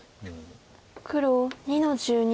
黒２の十二。